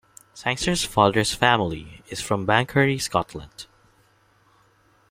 Sangster's father's family is from Banchory, Scotland.